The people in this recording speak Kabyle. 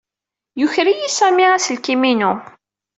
Yuker-iyi Sami aselkim-inu.